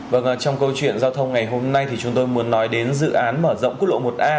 vâng trong câu chuyện giao thông ngày hôm nay thì chúng tôi muốn nói đến dự án mở rộng quốc lộ một a